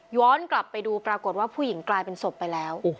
กลับไปดูปรากฏว่าผู้หญิงกลายเป็นศพไปแล้ว